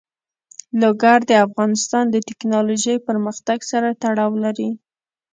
لوگر د افغانستان د تکنالوژۍ پرمختګ سره تړاو لري.